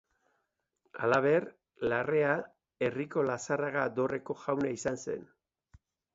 Halaber, Larrea herriko Lazarraga dorreko jauna izan zen.